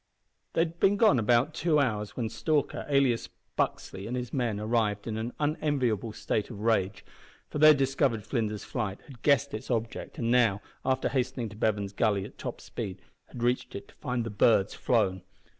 They had been gone about two hours, when Stalker, alias Buxley, and his men arrived in an unenviable state of rage, for they had discovered Flinders's flight, had guessed its object, and now, after hastening to Bevan's Gully at top speed, had reached it to find the birds flown.